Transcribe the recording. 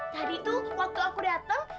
tadi tuh waktu aku dateng